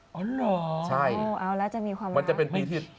อ๋อเหรอใช่เอาแล้วจะมีความหวังมันจะเป็นปีที่